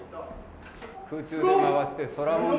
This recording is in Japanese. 空中で回して「空もんどり」。